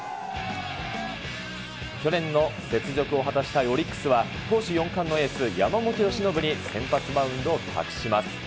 去年の雪辱を果たしたい投手４冠のエース、山本由伸に先発マウンドを任せます。